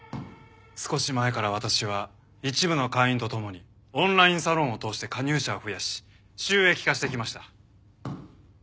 少し前から私は一部の会員と共にオンラインサロンを通して加入者を増やし収益化してきました。